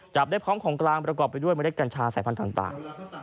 จับได้พร้อมของกลางประกอบไปด้วยเมล็ดกัญชาสายพันธุ์ต่าง